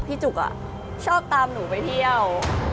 พี่จุกอ่ะชอบตามหนูไปเที่ยว